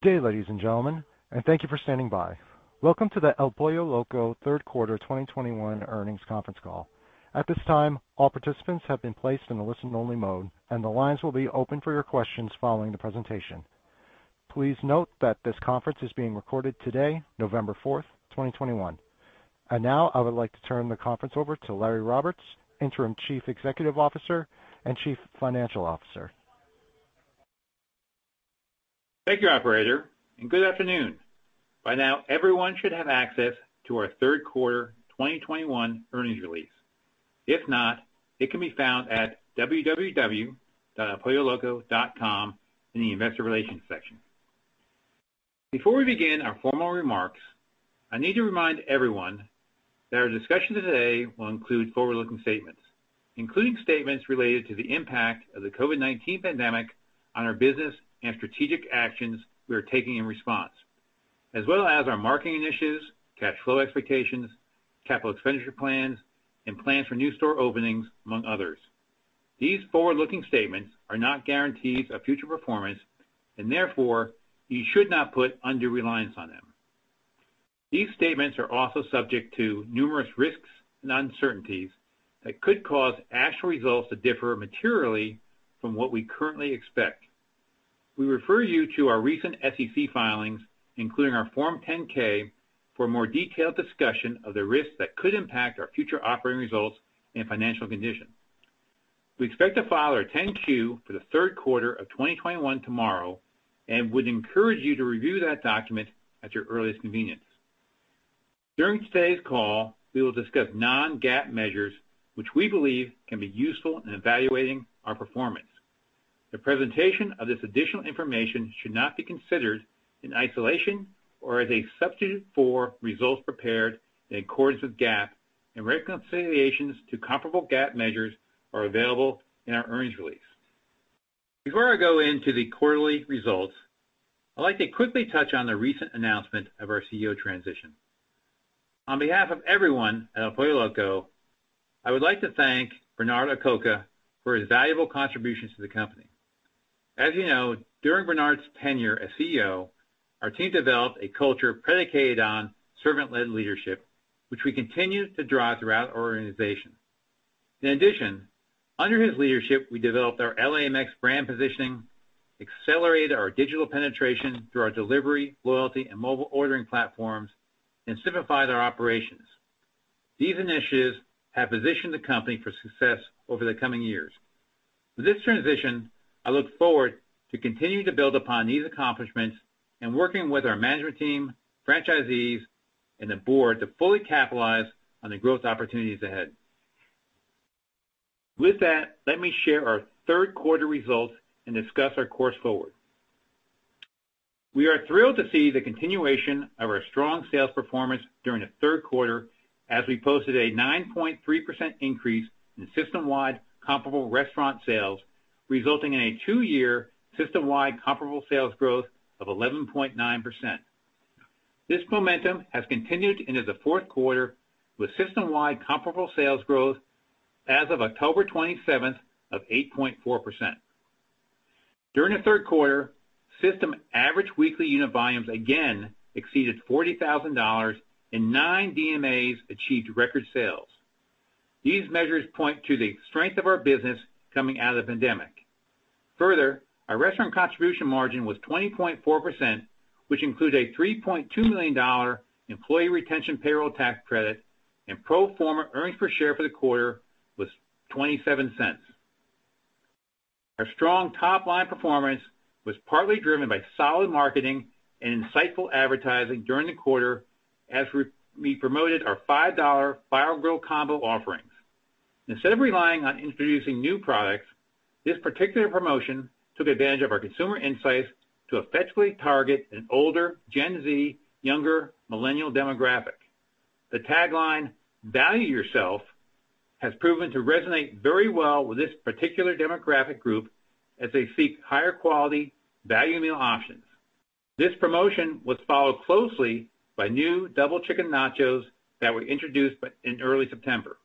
Good day, ladies and gentlemen, and thank you for standing by. Welcome to the El Pollo Loco third quarter 2021 earnings conference call. At this time, all participants have been placed in a listen-only mode, and the lines will be open for your questions following the presentation. Please note that this conference is being recorded today, November fourth, 2021. Now I would like to turn the conference over to Drew North, Interim Chief Executive Officer and Chief Financial Officer. Thank you, operator, and good afternoon. By now, everyone should have access to our third quarter 2021 earnings release. If not, it can be found at www.elpolloloco.com in the Investor Relations section. Before we begin our formal remarks, I need to remind everyone that our discussion today will include forward-looking statements, including statements related to the impact of the COVID-19 pandemic on our business and strategic actions we are taking in response, as well as our marketing initiatives, cash flow expectations, capital expenditure plans, and plans for new store openings, among others. These forward-looking statements are not guarantees of future performance, and therefore, you should not put undue reliance on them. These statements are also subject to numerous risks and uncertainties that could cause actual results to differ materially from what we currently expect. We refer you to our recent SEC filings, including our Form 10-K, for a more detailed discussion of the risks that could impact our future operating results and financial conditions. We expect to file our 10-Q for the third quarter of 2021 tomorrow and would encourage you to review that document at your earliest convenience. During today's call, we will discuss non-GAAP measures, which we believe can be useful in evaluating our performance. The presentation of this additional information should not be considered in isolation or as a substitute for results prepared in accordance with GAAP and reconciliations to comparable GAAP measures are available in our earnings release. Before I go into the quarterly results, I'd like to quickly touch on the recent announcement of our CEO transition. On behalf of everyone at El Pollo Loco, I would like to thank Bernard Acoca for his valuable contributions to the company. As you know, during Bernard's tenure as CEO, our team developed a culture predicated on servant-led leadership, which we continue to drive throughout our organization. In addition, under his leadership, we developed our L.A. Mex brand positioning, accelerated our digital penetration through our delivery, loyalty, and mobile ordering platforms, and simplified our operations. These initiatives have positioned the company for success over the coming years. With this transition, I look forward to continuing to build upon these accomplishments and working with our management team, franchisees, and the board to fully capitalize on the growth opportunities ahead. With that, let me share our third quarter results and discuss our course forward. We are thrilled to see the continuation of our strong sales performance during the third quarter as we posted a 9.3% increase in systemwide comparable restaurant sales, resulting in a two-year systemwide comparable sales growth of 11.9%. This momentum has continued into the fourth quarter with systemwide comparable sales growth as of October 27 of 8.4%. During the third quarter, system average weekly unit volumes again exceeded $40,000 and 9 DMAs achieved record sales. These measures point to the strength of our business coming out of the pandemic. Further, our restaurant contribution margin was 20.4%, which includes a $3.2 million employee retention payroll tax credit, and pro forma earnings per share for the quarter was $0.27. Our strong top-line performance was partly driven by solid marketing and insightful advertising during the quarter as we promoted our $5 Fire-Grilled Combo offerings. Instead of relying on introducing new products, this particular promotion took advantage of our consumer insights to effectively target an older Gen Z, younger millennial demographic. The tagline, "Value Yourself," has proven to resonate very well with this particular demographic group as they seek higher quality value meal options. This promotion was followed closely by new Double Chicken Nachos that were introduced in early September.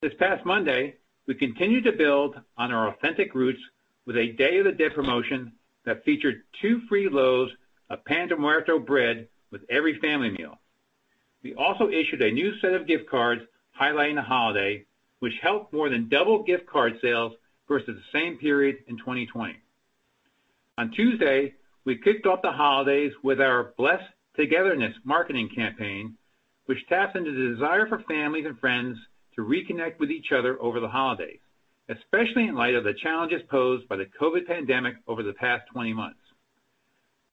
This past Monday, we continued to build on our authentic roots with a Día de los Muertos promotion that featured two free loaves of Pan de Muerto bread with every family meal. We also issued a new set of gift cards highlighting the holiday, which helped more than double gift card sales versus the same period in 2020. On Tuesday, we kicked off the holidays with our Blessed Togetherness marketing campaign, which taps into the desire for families and friends to reconnect with each other over the holidays, especially in light of the challenges posed by the COVID-19 pandemic over the past 20 months.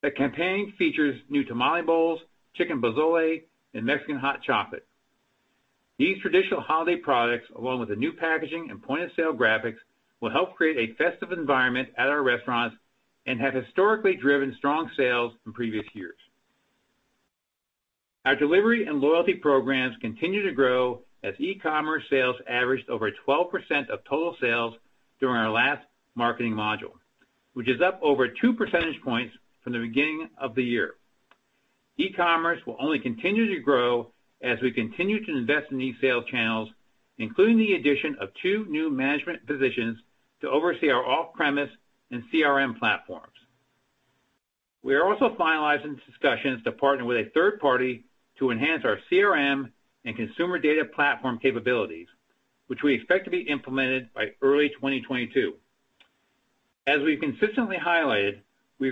The campaign features new Tamale Bowls, Chicken Pozole, and Mexican Hot Chocolate. These traditional holiday products, along with the new packaging and point-of-sale graphics, will help create a festive environment at our restaurants and have historically driven strong sales in previous years. Our delivery and loyalty programs continue to grow as e-commerce sales averaged over 12% of total sales during our last marketing module, which is up over 2 percentage points from the beginning of the year. E-commerce will only continue to grow as we continue to invest in these sales channels, including the addition of two new management positions to oversee our off-premise and CRM platforms. We are also finalizing discussions to partner with a third party to enhance our CRM and consumer data platform capabilities, which we expect to be implemented by early 2022. As we've consistently highlighted, we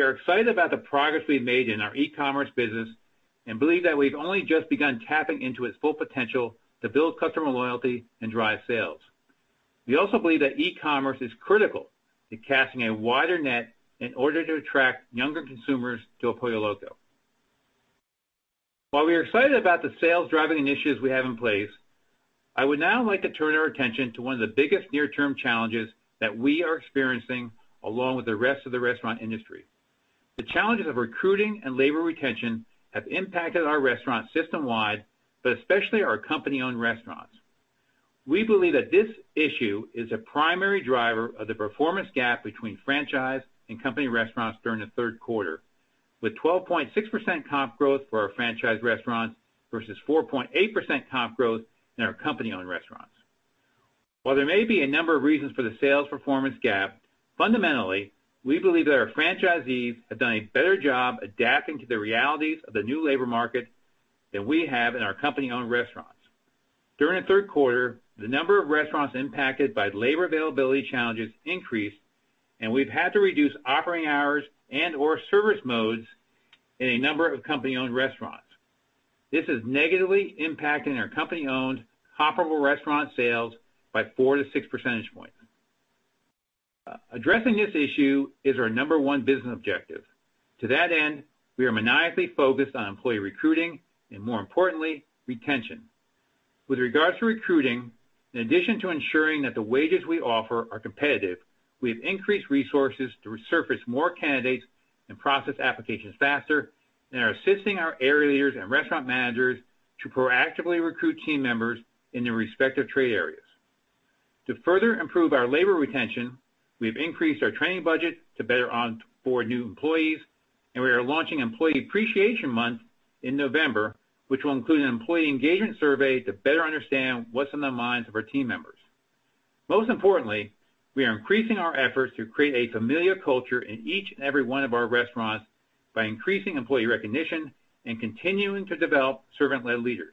are excited about the progress we've made in our e-commerce business and believe that we've only just begun tapping into its full potential to build customer loyalty and drive sales. We also believe that e-commerce is critical to casting a wider net in order to attract younger consumers to El Pollo Loco. While we are excited about the sales-driving initiatives we have in place, I would now like to turn our attention to one of the biggest near-term challenges that we are experiencing, along with the rest of the restaurant industry. The challenges of recruiting and labor retention have impacted our restaurants system-wide, but especially our company-owned restaurants. We believe that this issue is a primary driver of the performance gap between franchise and company restaurants during the third quarter, with 12.6% comp growth for our franchise restaurants versus 4.8% comp growth in our company-owned restaurants. While there may be a number of reasons for the sales performance gap, fundamentally, we believe that our franchisees have done a better job adapting to the realities of the new labor market than we have in our company-owned restaurants. During the third quarter, the number of restaurants impacted by labor availability challenges increased, and we've had to reduce operating hours and/or service modes in a number of company-owned restaurants. This is negatively impacting our company-owned comparable restaurant sales by 4-6 percentage points. Addressing this issue is our number one business objective. To that end, we are maniacally focused on employee recruiting and, more importantly, retention. With regards to recruiting, in addition to ensuring that the wages we offer are competitive, we have increased resources to surface more candidates and process applications faster, and are assisting our area leaders and restaurant managers to proactively recruit team members in their respective trade areas. To further improve our labor retention, we've increased our training budget to better onboard new employees, and we are launching Employee Appreciation Month in November, which will include an employee engagement survey to better understand what's on the minds of our team members. Most importantly, we are increasing our efforts to create a familiar culture in each and every one of our restaurants by increasing employee recognition and continuing to develop servant-led leaders.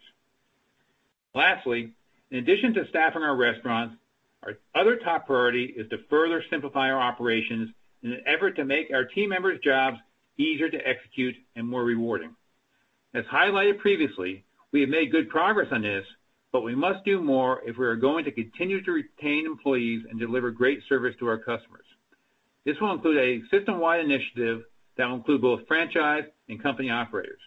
Lastly, in addition to staffing our restaurants, our other top priority is to further simplify our operations in an effort to make our team members' jobs easier to execute and more rewarding. As highlighted previously, we have made good progress on this, but we must do more if we are going to continue to retain employees and deliver great service to our customers. This will include a system-wide initiative that will include both franchise and company operators.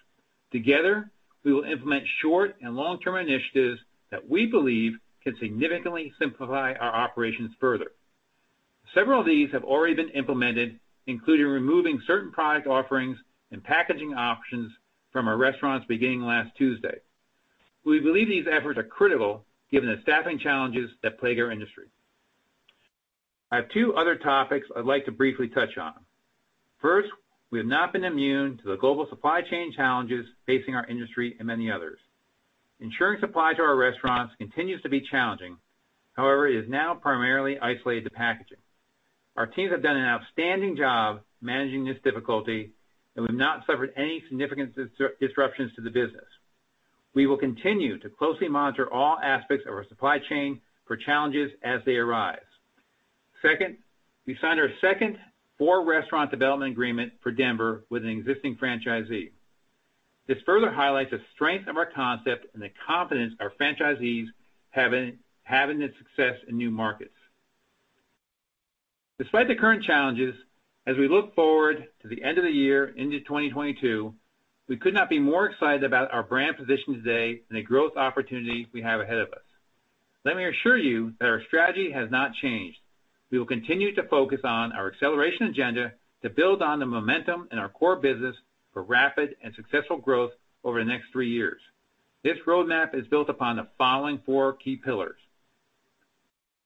Together, we will implement short and long-term initiatives that we believe can significantly simplify our operations further. Several of these have already been implemented, including removing certain product offerings and packaging options from our restaurants beginning last Tuesday. We believe these efforts are critical given the staffing challenges that plague our industry. I have two other topics I'd like to briefly touch on. First, we have not been immune to the global supply chain challenges facing our industry and many others. Ensuring supply to our restaurants continues to be challenging. However, it is now primarily isolated to packaging. Our teams have done an outstanding job managing this difficulty, and we've not suffered any significant disruptions to the business. We will continue to closely monitor all aspects of our supply chain for challenges as they arise. Second, we signed our second 4-restaurant development agreement for Denver with an existing franchisee. This further highlights the strength of our concept and the confidence our franchisees have in its success in new markets. Despite the current challenges, as we look forward to the end of the year into 2022, we could not be more excited about our brand position today and the growth opportunity we have ahead of us. Let me assure you that our strategy has not changed. We will continue to focus on our acceleration agenda to build on the momentum in our core business for rapid and successful growth over the next three years. This roadmap is built upon the following four key pillars.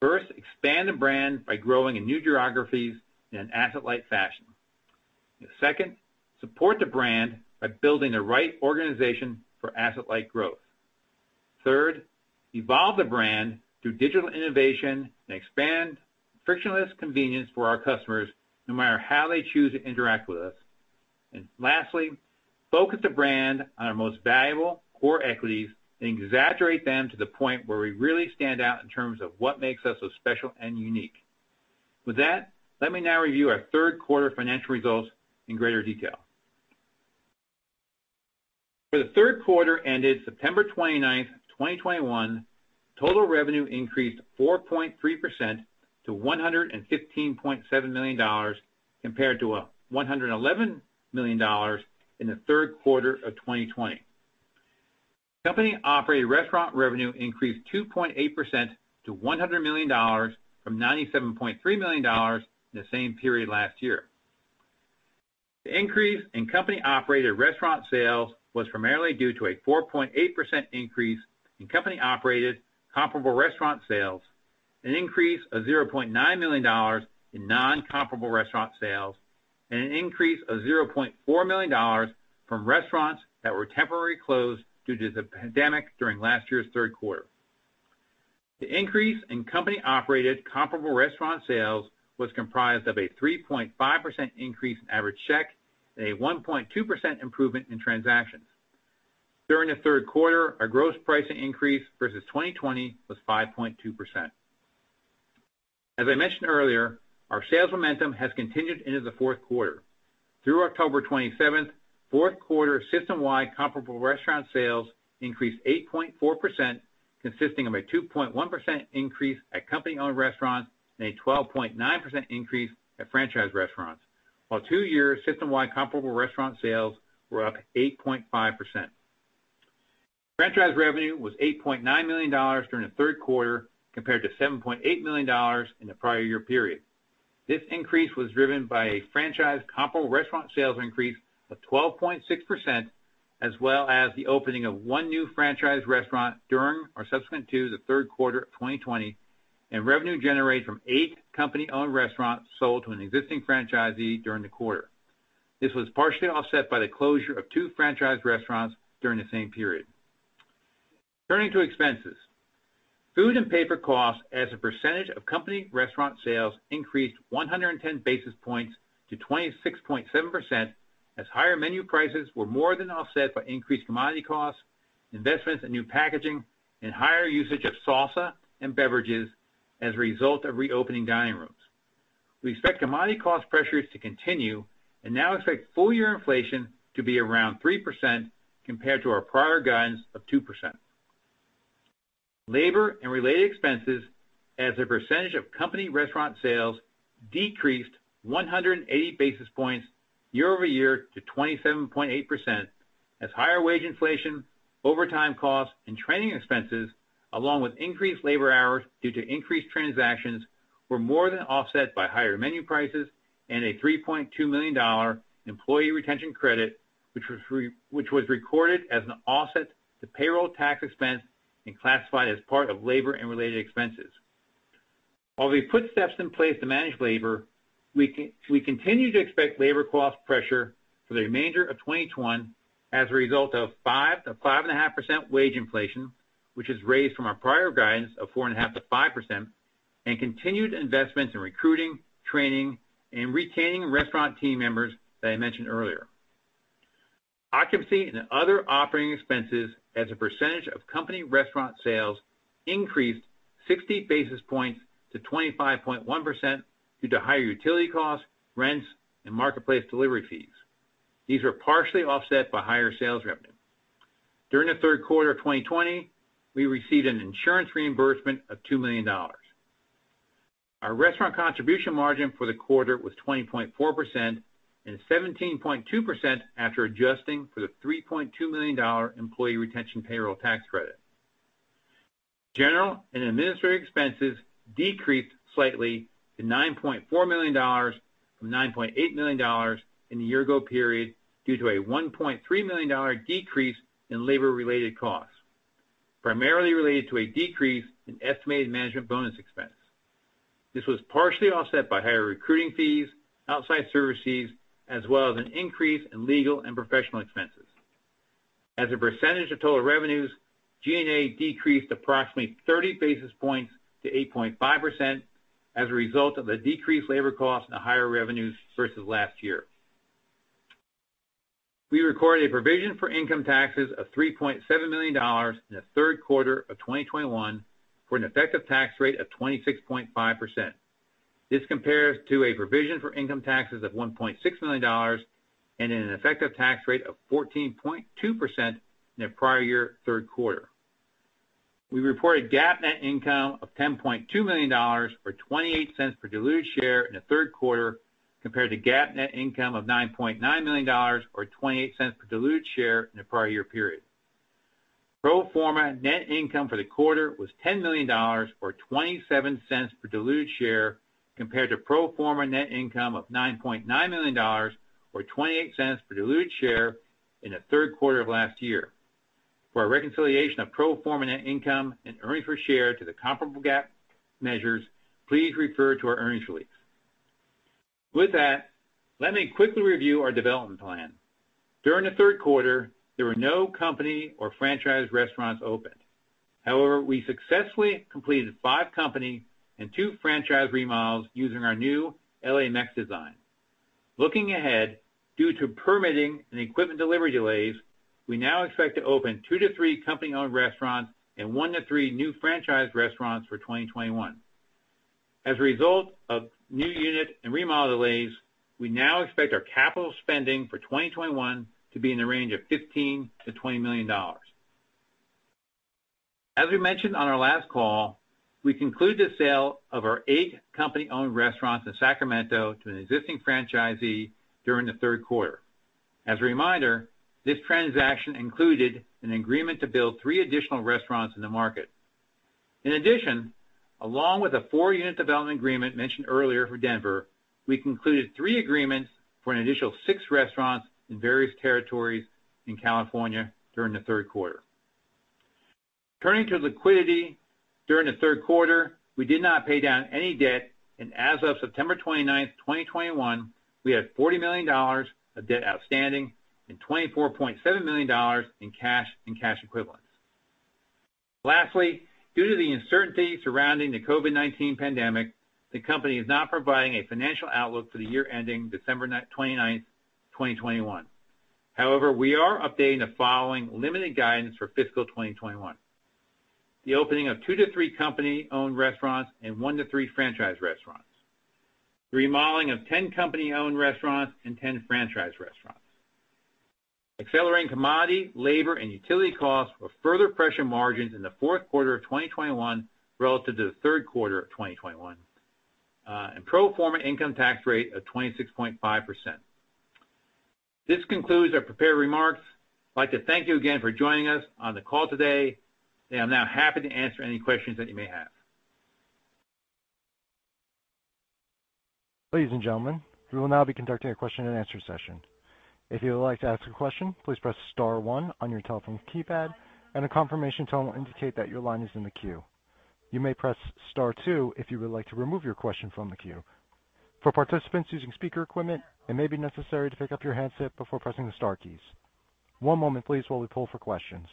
First, expand the brand by growing in new geographies in an asset-light fashion. The second, support the brand by building the right organization for asset-light growth. Third, evolve the brand through digital innovation and expand frictionless convenience for our customers, no matter how they choose to interact with us. Lastly, focus the brand on our most valuable core equities and exaggerate them to the point where we really stand out in terms of what makes us so special and unique. With that, let me now review our third quarter financial results in greater detail. For the third quarter ended September 29, 2021, total revenue increased 4.3% to $115.7 million, compared to $111 million in the third quarter of 2020. Company-operated restaurant revenue increased 2.8% to $100 million from $97.3 million in the same period last year. The increase in company-operated restaurant sales was primarily due to a 4.8% increase in company-operated comparable restaurant sales, an increase of $0.9 million in non-comparable restaurant sales, and an increase of $0.4 million from restaurants that were temporarily closed due to the pandemic during last year's third quarter. The increase in company-operated comparable restaurant sales was comprised of a 3.5% increase in average check and a 1.2% improvement in transactions. During the third quarter, our gross pricing increase versus 2020 was 5.2%. As I mentioned earlier, our sales momentum has continued into the fourth quarter. Through October 27th, fourth quarter system-wide comparable restaurant sales increased 8.4%, consisting of a 2.1% increase at company-owned restaurants and a 12.9% increase at franchise restaurants. While two-year system-wide comparable restaurant sales were up 8.5%. Franchise revenue was $8.9 million during the third quarter compared to $7.8 million in the prior year period. This increase was driven by a franchise comparable restaurant sales increase of 12.6%, as well as the opening of 1 new franchise restaurant during or subsequent to the third quarter of 2020, and revenue generated from 8 company-owned restaurants sold to an existing franchisee during the quarter. This was partially offset by the closure of 2 franchise restaurants during the same period. Turning to expenses. Food and paper costs as a percentage of company restaurant sales increased 110 basis points to 26.7% as higher menu prices were more than offset by increased commodity costs, investments in new packaging, and higher usage of salsa and beverages as a result of reopening dining rooms. We expect commodity cost pressures to continue and now expect full year inflation to be around 3% compared to our prior guidance of 2%. Labor and related expenses as a percentage of company restaurant sales decreased 180 basis points year-over-year to 27.8% as higher wage inflation, overtime costs, and training expenses, along with increased labor hours due to increased transactions, were more than offset by higher menu prices and a $3.2 million employee retention credit, which was recorded as an offset to payroll tax expense and classified as part of labor and related expenses. While we put steps in place to manage labor, we continue to expect labor cost pressure for the remainder of 2021 as a result of 5%-5.5% wage inflation, which is raised from our prior guidance of 4.5%-5%, and continued investments in recruiting, training, and retaining restaurant team members that I mentioned earlier. Occupancy and other operating expenses as a percentage of company restaurant sales increased 60 basis points to 25.1% due to higher utility costs, rents, and marketplace delivery fees. These were partially offset by higher sales revenue. During the third quarter of 2020, we received an insurance reimbursement of $2 million. Our restaurant contribution margin for the quarter was 20.4% and 17.2% after adjusting for the $3.2 million employee retention payroll tax credit. General and administrative expenses decreased slightly to $9.4 million from $9.8 million in the year ago period due to a $1.3 million decrease in labor related costs, primarily related to a decrease in estimated management bonus expense. This was partially offset by higher recruiting fees, outside service fees, as well as an increase in legal and professional expenses. As a percentage of total revenues, G&A decreased approximately 30 basis points to 8.5% as a result of the decreased labor costs and the higher revenues versus last year. We recorded a provision for income taxes of $3.7 million in the third quarter of 2021, for an effective tax rate of 26.5%. This compares to a provision for income taxes of $1.6 million and an effective tax rate of 14.2% in the prior year third quarter. We reported GAAP net income of $10.2 million or $0.28 per diluted share in the third quarter compared to GAAP net income of $9.9 million or $0.28 per diluted share in the prior year period. Pro forma net income for the quarter was $10 million or $0.27 per diluted share compared to pro forma net income of $9.9 million or $0.28 per diluted share in the third quarter of last year. For a reconciliation of pro forma net income and earnings per share to the comparable GAAP measures, please refer to our earnings release. With that, let me quickly review our development plan. During the third quarter, there were no company or franchise restaurants opened. However, we successfully completed 5 company and 2 franchise remodels using our new L.A. Mex design. Looking ahead, due to permitting and equipment delivery delays, we now expect to open 2-3 company-owned restaurants and 1-3 new franchise restaurants for 2021. As a result of new unit and remodel delays, we now expect our capital spending for 2021 to be in the range of $15 million-$20 million. As we mentioned on our last call, we concluded the sale of our 8 company-owned restaurants in Sacramento to an existing franchisee during the third quarter. As a reminder, this transaction included an agreement to build 3 additional restaurants in the market. In addition, along with a four-unit development agreement mentioned earlier for Denver. We concluded 3 agreements for an initial 6 restaurants in various territories in California during the third quarter. Turning to liquidity. During the third quarter, we did not pay down any debt, and as of September 29, 2021, we had $40 million of debt outstanding and $24.7 million in cash and cash equivalents. Lastly, due to the uncertainty surrounding the COVID-19 pandemic, the company is not providing a financial outlook for the year ending December 29, 2021. However, we are updating the following limited guidance for fiscal 2021. The opening of 2-3 company-owned restaurants and 1-3 franchise restaurants. The remodeling of 10 company-owned restaurants and 10 franchise restaurants. Accelerating commodity, labor, and utility costs will further pressure margins in the fourth quarter of 2021 relative to the third quarter of 2021. Pro forma income tax rate of 26.5%. This concludes our prepared remarks. I'd like to thank you again for joining us on the call today, and I'm now happy to answer any questions that you may have. Ladies and gentlemen, we will now be conducting a question-and-answer session. If you would like to ask a question, please press * one on your telephone keypad, and a confirmation tone will indicate that your line is in the queue. You may press * two if you would like to remove your question from the queue. For participants using speaker equipment, it may be necessary to pick up your handset before pressing the * keys. One moment please while we poll for questions.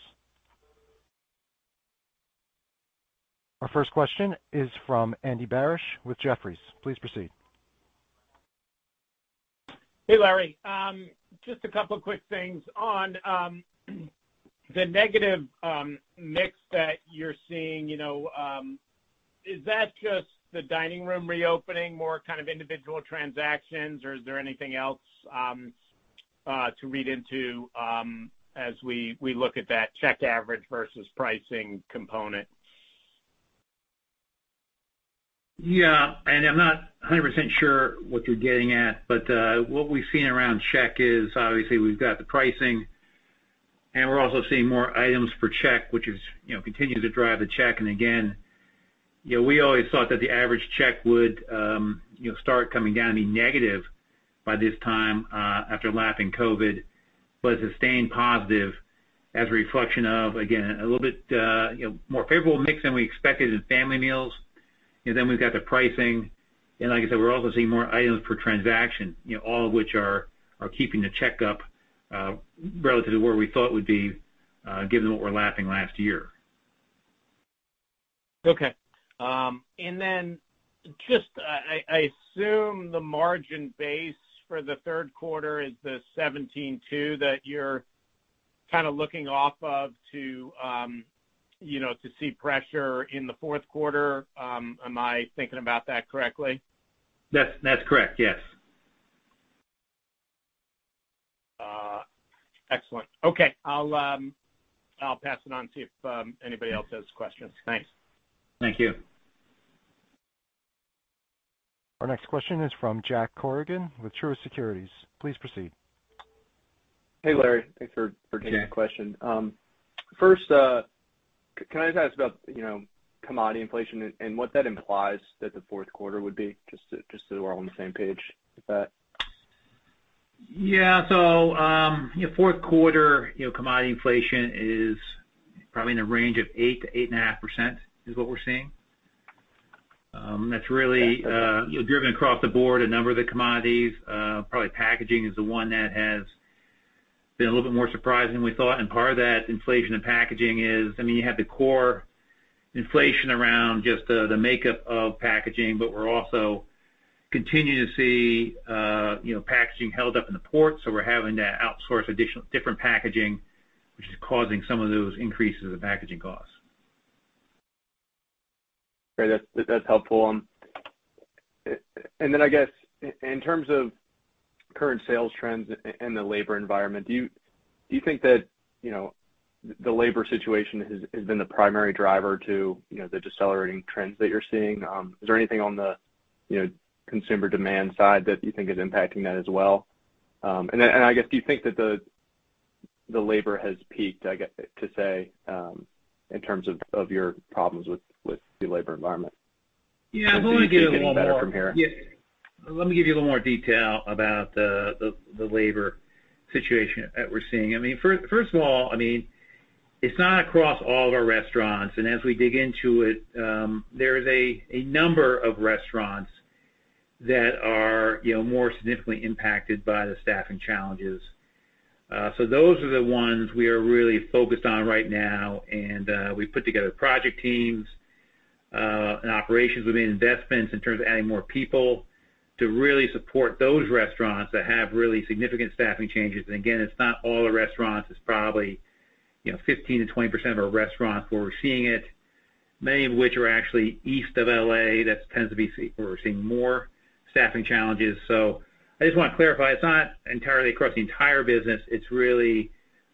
Our first question is from Andy Barish with Jefferies. Please proceed. Hey, Larry. Just a couple quick things. On the negative mix that you're seeing, you know, is that just the dining room reopening, more kind of individual transactions or is there anything else to read into as we look at that check average versus pricing component? Yeah. I'm not 100% sure what you're getting at, but what we've seen around check is obviously we've got the pricing, and we're also seeing more items per check, which is, you know, continuing to drive the check. Again, you know, we always thought that the average check would, you know, start coming down, be negative by this time, after lapping COVID, but it's staying positive as a reflection of, again, a little bit, you know, more favorable mix than we expected in family meals. Then we've got the pricing. Like I said, we're also seeing more items per transaction, you know, all of which are keeping the check up, relative to where we thought it would be, given what we're lapping last year. Okay. Then just, I assume the margin base for the third quarter is the 17.2% that you're kinda looking off of to, you know, to see pressure in the fourth quarter. Am I thinking about that correctly? That's correct, yes. Excellent. Okay. I'll pass it on, see if anybody else has questions. Thanks. Thank you. Our next question is from Jake Bartlett with Truist Securities. Please proceed. Hey, Larry. Thanks for- Yeah. Taking the question. First, can I just ask about, you know, commodity inflation and what that implies that the fourth quarter would be, just so we're all on the same page with that? Yeah. You know, fourth quarter, you know, commodity inflation is probably in the range of 8%-8.5% is what we're seeing. That's really, you know, driven across the board, a number of the commodities. Probably packaging is the one that has been a little bit more surprising than we thought. Part of that inflation in packaging is, I mean, you have the core inflation around just the makeup of packaging, but we're also continuing to see, you know, packaging held up in the port, so we're having to outsource different packaging, which is causing some of those increases in packaging costs. Great. That's helpful. I guess in terms of current sales trends and the labor environment, do you think that, you know, the labor situation has been the primary driver to, you know, the decelerating trends that you're seeing? Is there anything on the, you know, consumer demand side that you think is impacting that as well? I guess, do you think that the labor has peaked, I guess, to say, in terms of your problems with the labor environment? Yeah. Let me give you a little more. Do you think it'll get better from here? Yeah. Let me give you a little more detail about the labor situation that we're seeing. I mean, first of all, I mean, it's not across all of our restaurants, and as we dig into it, there is a number of restaurants that are, you know, more significantly impacted by the staffing challenges. So those are the ones we are really focused on right now, and we've put together project teams, and operations within investments in terms of adding more people to really support those restaurants that have really significant staffing changes. Again, it's not all the restaurants. It's probably, you know, 15%-20% of our restaurants where we're seeing it, many of which are actually east of L.A. That tends to be where we're seeing more staffing challenges. I just wanna clarify, it's not entirely across the entire business. It's really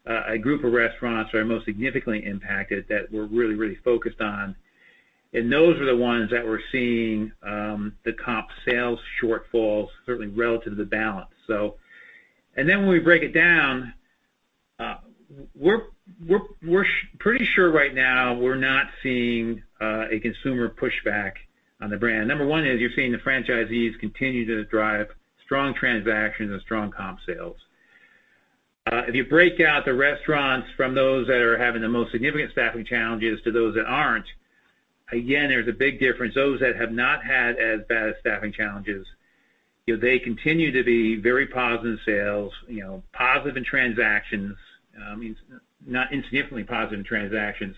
a group of restaurants that are most significantly impacted that we're really, really focused on. Those are the ones that we're seeing the comp sales shortfalls, certainly relative to the balance. When we break it down, we're pretty sure right now we're not seeing a consumer pushback on the brand. Number one is you're seeing the franchisees continue to drive strong transactions and strong comp sales. If you break out the restaurants from those that are having the most significant staffing challenges to those that aren't, again, there's a big difference. Those that have not had as bad staffing challenges, you know, they continue to be very positive in sales, you know, positive in transactions, not insignificantly positive in transactions.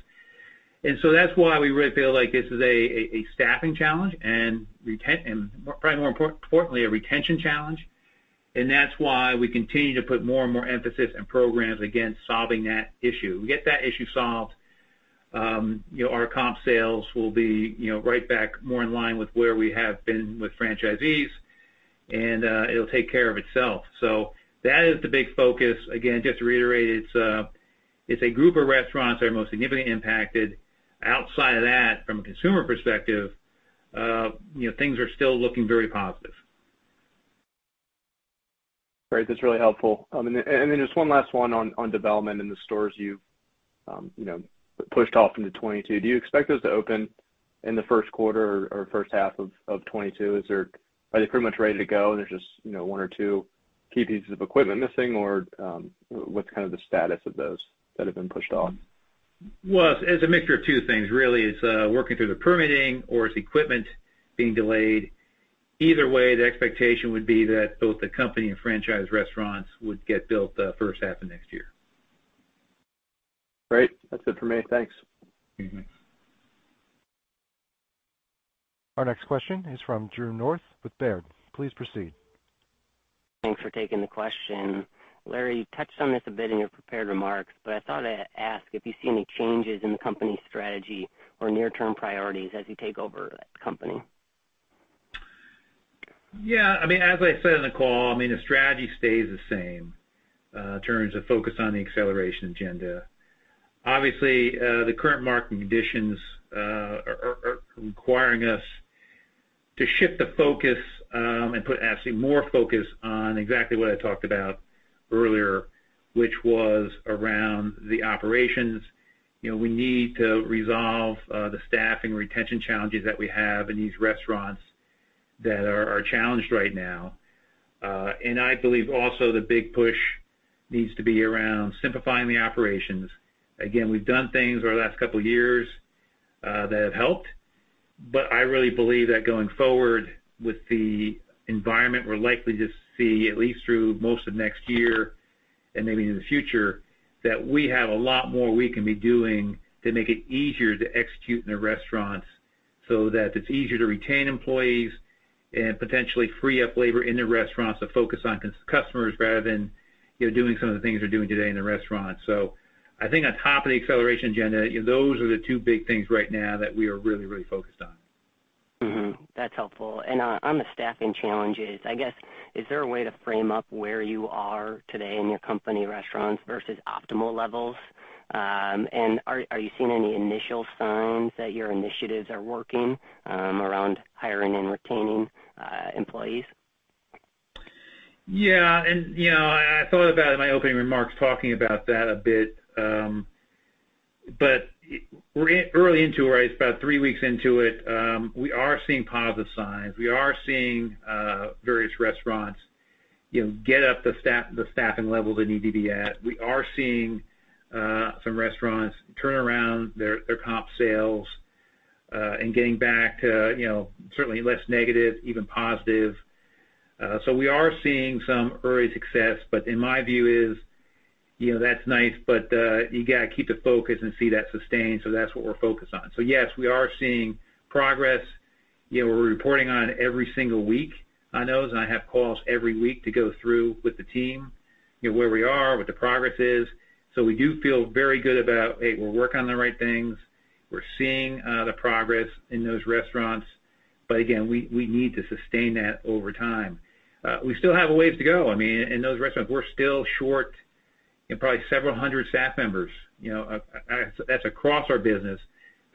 That's why we really feel like this is a staffing challenge and probably more importantly, a retention challenge. That's why we continue to put more and more emphasis and programs against solving that issue. We get that issue solved, you know, our comp sales will be, you know, right back more in line with where we have been with franchisees, and it'll take care of itself. That is the big focus. Again, just to reiterate, it's a group of restaurants that are most significantly impacted. Outside of that, from a consumer perspective, you know, things are still looking very positive. Great. That's really helpful. Just one last one on development in the stores you've you know pushed off into 2022. Do you expect those to open in the first quarter or first half of 2022? Are they pretty much ready to go, and there's just you know one or two key pieces of equipment missing? What's kind of the status of those that have been pushed on? Well, it's a mixture of two things, really. It's working through the permitting, or it's equipment being delayed. Either way, the expectation would be that both the company and franchise restaurants would get built, first half of next year. Great. That's it for me. Thanks. Mm-hmm. Our next question is from Andrew North with Baird. Please proceed. Thanks for taking the question. Laurance, you touched on this a bit in your prepared remarks, but I thought I'd ask if you see any changes in the company strategy or near-term priorities as you take over the company. Yeah, I mean, as I said in the call, I mean, the strategy stays the same in terms of focus on the acceleration agenda. Obviously, the current market conditions are requiring us to shift the focus and put actually more focus on exactly what I talked about earlier, which was around the operations. You know, we need to resolve the staffing retention challenges that we have in these restaurants that are challenged right now. I believe also the big push needs to be around simplifying the operations. Again, we've done things over the last couple years that have helped, but I really believe that going forward with the environment, we're likely to see at least through most of next year and maybe in the future, that we have a lot more we can be doing to make it easier to execute in the restaurants so that it's easier to retain employees and potentially free up labor in the restaurants to focus on customers rather than, you know, doing some of the things they're doing today in the restaurant. I think on top of the acceleration agenda, you know, those are the two big things right now that we are really, really focused on. Mm-hmm. That's helpful. On the staffing challenges, I guess, is there a way to frame up where you are today in your company restaurants versus optimal levels? Are you seeing any initial signs that your initiatives are working around hiring and retaining employees? Yeah. I thought about in my opening remarks talking about that a bit. We're early into it, right? It's about three weeks into it. We are seeing positive signs. We are seeing various restaurants, you know, get up the staffing level they need to be at. We are seeing some restaurants turn around their comp sales and getting back to, you know, certainly less negative, even positive. We are seeing some early success, but my view is, you know, that's nice, but you gotta keep the focus and see that sustained. That's what we're focused on. Yes, we are seeing progress. You know, we're reporting on it every single week on those, and I have calls every week to go through with the team, you know, where we are, what the progress is. We do feel very good about, hey, we're working on the right things. We're seeing the progress in those restaurants. Again, we need to sustain that over time. We still have a ways to go. I mean, in those restaurants, we're still short, you know, probably several hundred staff members. You know, as that's across our business.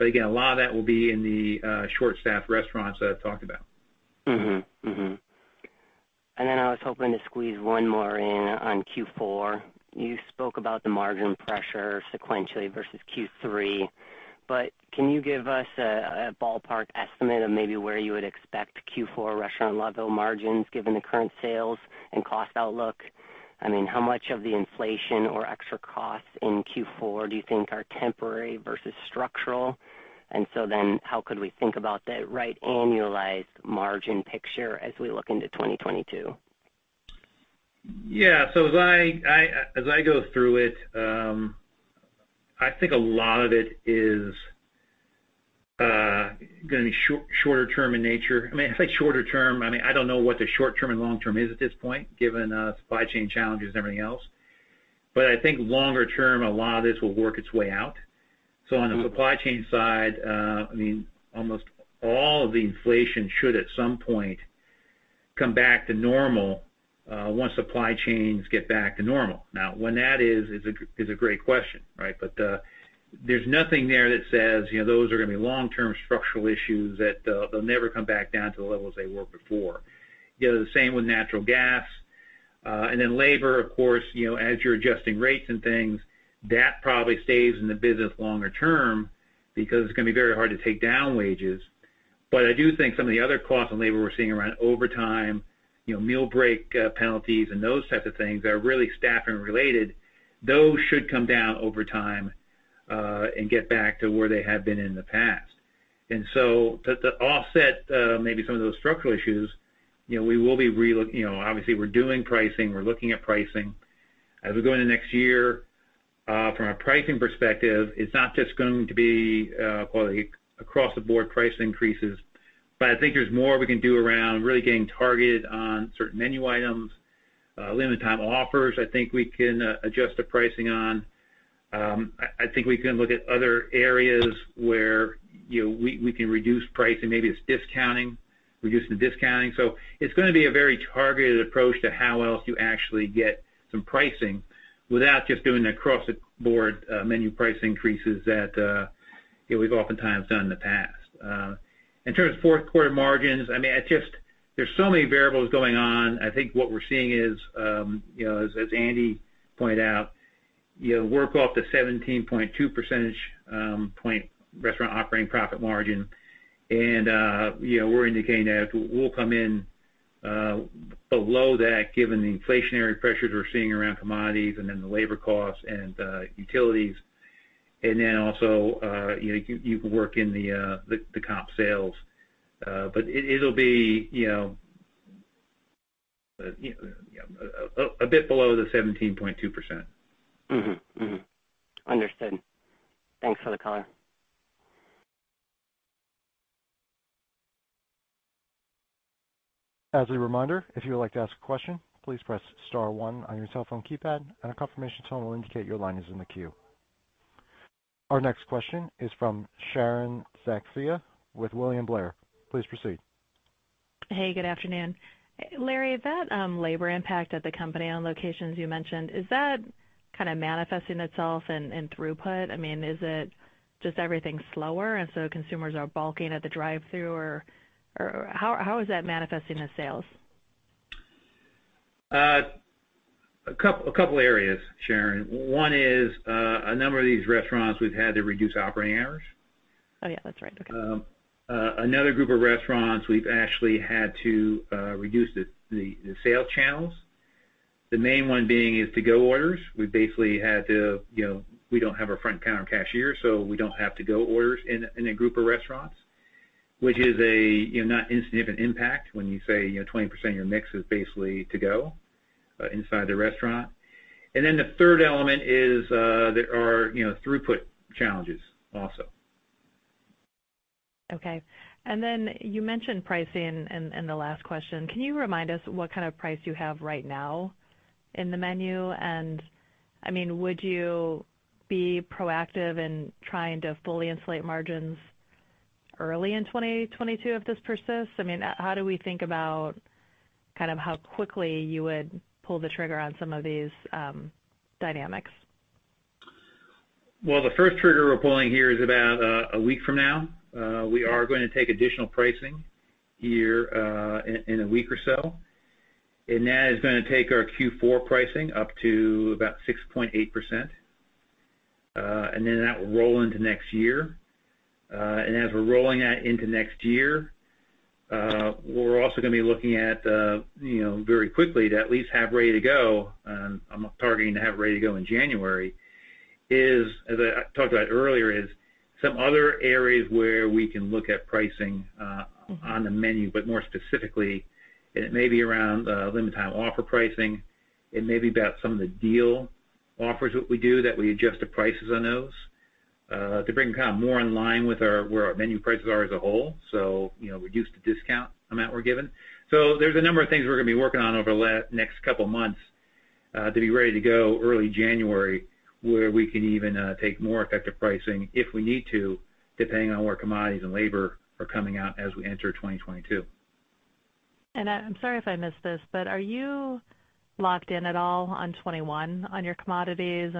Again, a lot of that will be in the short-staffed restaurants that I talked about. I was hoping to squeeze one more in on Q4. You spoke about the margin pressure sequentially versus Q3, but can you give us a ballpark estimate of maybe where you would expect Q4 restaurant-level margins given the current sales and cost outlook? I mean, how much of the inflation or extra costs in Q4 do you think are temporary versus structural? How could we think about the right annualized margin picture as we look into 2022? As I go through it, I think a lot of it is gonna be shorter term in nature. I mean, I say shorter term, I mean, I don't know what the short term and long term is at this point, given supply chain challenges and everything else. I think longer term, a lot of this will work its way out. On the supply chain side, I mean, almost all of the inflation should at some point come back to normal once supply chains get back to normal. Now, when that is a great question, right? There's nothing there that says, you know, those are gonna be long-term structural issues, that they'll never come back down to the levels they were before. You know, the same with natural gas. Labor, of course, you know, as you're adjusting rates and things, that probably stays in the business longer term because it's gonna be very hard to take down wages. I do think some of the other costs on labor we're seeing around overtime, you know, meal break penalties and those types of things that are really staffing related, those should come down over time and get back to where they have been in the past. To offset maybe some of those structural issues, you know, obviously we're doing pricing, we're looking at pricing. As we go into next year, from a pricing perspective, it's not just going to be, call it an across-the-board price increases, but I think there's more we can do around really getting targeted on certain menu items. Limited time offers, I think we can adjust the pricing on. I think we can look at other areas where, you know, we can reduce pricing. Maybe it's discounting, reduce the discounting. It's gonna be a very targeted approach to how else you actually get some pricing without just doing across the board menu price increases that, you know, we've oftentimes done in the past. In terms of fourth quarter margins, I mean, it just, there's so many variables going on. I think what we're seeing is, you know, as Andy pointed out, you know, work off the 17.2 percentage point restaurant operating profit margin. We're indicating that we'll come in below that given the inflationary pressures we're seeing around commodities and then the labor costs and utilities. You know, you can work in the comp sales. But it'll be, you know, a bit below the 17.2%. Mm-hmm. Mm-hmm. Understood. Thanks for the color. As a reminder, if you would like to ask a question, please press * one on your cell phone keypad, and a confirmation tone will indicate your line is in the queue. Our next question is from Sharon Zackfia with William Blair. Please proceed. Hey, good afternoon. Larry, that labor impact at the company on locations you mentioned, is that kinda manifesting itself in throughput? I mean, is it just everything slower, and so consumers are balking at the drive-thru or how is that manifesting the sales? A couple areas, Sharon. One is a number of these restaurants we've had to reduce operating hours. Oh, yeah, that's right. Okay. Another group of restaurants we've actually had to reduce the sales channels. The main one being is to-go orders. We've basically had to, you know, we don't have our front counter cashier, so we don't have to-go orders in a group of restaurants, which is a, you know, not insignificant impact when you say, you know, 20% of your mix is basically to-go inside the restaurant. The third element is there are, you know, throughput challenges also. Okay. You mentioned pricing in the last question. Can you remind us what kind of price you have right now in the menu? I mean, would you be proactive in trying to fully insulate margins early in 2022 if this persists? I mean, how do we think about kind of how quickly you would pull the trigger on some of these dynamics? Well, the first trigger we're pulling here is about a week from now. We are gonna take additional pricing here in a week or so. That is gonna take our Q4 pricing up to about 6.8%. That will roll into next year. As we're rolling that into next year, we're also gonna be looking at you know, very quickly to at least have ready to go. I'm targeting to have ready to go in January, as I talked about earlier, some other areas where we can look at pricing on the menu, but more specifically, it may be around limited time offer pricing. It may be about some of the deal offers that we do, that we adjust the prices on those, to bring kind of more in line with our, where our menu prices are as a whole. You know, reduce the discount amount we're given. There's a number of things we're gonna be working on over the next couple of months, to be ready to go early January, where we can even take more effective pricing if we need to, depending on where commodities and labor are coming out as we enter 2022. I'm sorry if I missed this, but are you locked in at all on 21 on your commodities?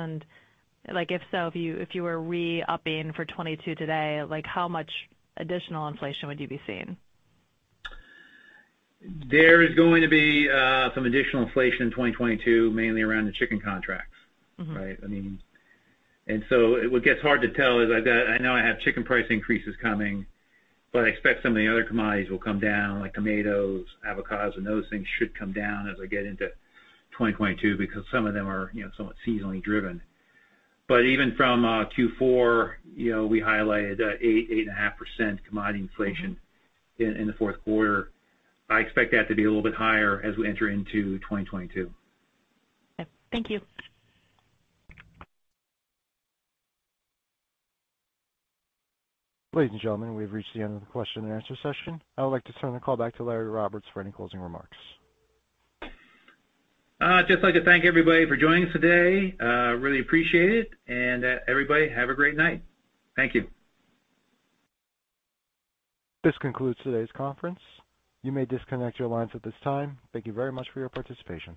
Like, if so, if you were re-upping for 22 today, like how much additional inflation would you be seeing? There is going to be some additional inflation in 2022, mainly around the chicken contracts. Mm-hmm. Right? I mean, what gets hard to tell is I know I have chicken price increases coming, but I expect some of the other commodities will come down, like tomatoes, avocados, and those things should come down as we get into 2022 because some of them are, you know, somewhat seasonally driven. But even from Q4, you know, we highlighted 8.5% commodity inflation- Mm-hmm. In the fourth quarter. I expect that to be a little bit higher as we enter into 2022. Okay. Thank you. Ladies and gentlemen, we've reached the end of the question and answer session. I would like to turn the call back to Drew North for any closing remarks. Just like to thank everybody for joining us today. Really appreciate it. Everybody, have a great night. Thank you. This concludes today's conference. You may disconnect your lines at this time. Thank you very much for your participation.